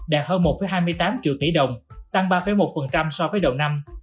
đạt hơn một hai mươi tám triệu tỷ đồng tăng ba một so với đầu năm